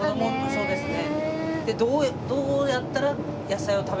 そうですね。